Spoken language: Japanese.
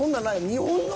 「日本の」？